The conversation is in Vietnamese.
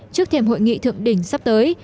trước thềm hội nghị thượng đỉnh sắp tới